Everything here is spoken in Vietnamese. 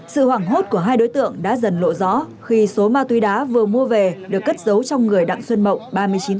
sự hoảng hốt của hai đối tượng đã dần lộ rõ khi số ma túy đá vừa mua về được cất dấu trong người đặng xuân mộng